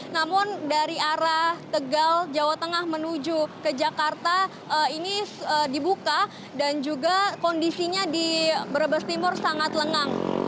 namun dari arah tegal jawa tengah menuju ke jakarta ini dibuka dan juga kondisinya di brebes timur sangat lengang